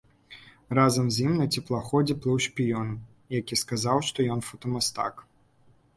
Разам з ім на цеплаходзе плыў шпіён, які сказаў, што ён фотамастак.